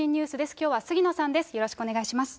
きょうは杉野さんです。